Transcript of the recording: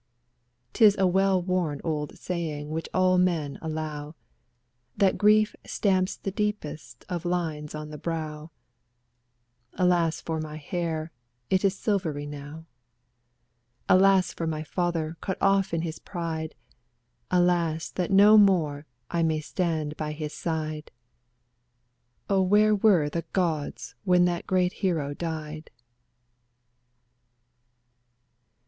'Tis a well worn old saying, which all men allow. That grief stamps the deepest of lines on the brow: Alas for my hair, it is silvery now! Alas for my father, cut off in his pride! Alas that no more I may stand by his side ! Oh where were the gods when that great hero died?